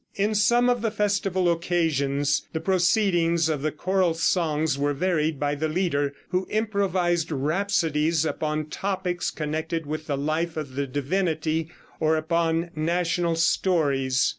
In some of the festival occasions the proceedings of the choral songs were varied by the leader, who improvised rhapsodies upon topics connected with the life of the divinity or upon national stories.